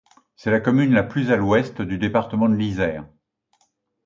C'est la commune la plus à l'ouest du département de l'Isère.